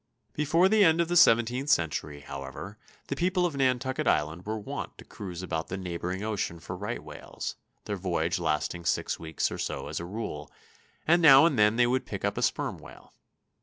Before the end of the seventeenth century, however, the people of Nantucket Island were wont to cruise about the neighboring ocean for right whales, their voyage lasting six weeks or so as a rule, and now and then they would pick up a sperm whale.